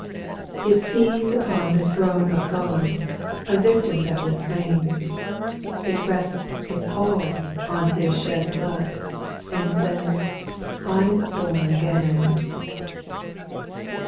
3. It sees upon the throne of God, A victim that was slain ; It rests its all on His shed blood, And says, " I 'm born again."